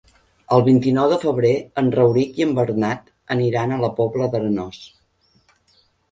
El vint-i-nou de febrer en Rauric i en Bernat aniran a la Pobla d'Arenós.